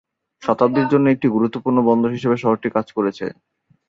শতাব্দীর জন্য একটি গুরুত্বপূর্ণ বন্দর হিসেবে শহরটি কাজ করেছে।